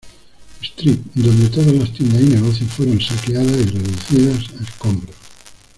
Street, donde todas las tiendas y negocios fueron saqueados y reducidos a escombros.